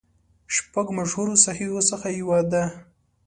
شپږو مشهورو صحیحو څخه یوه ده.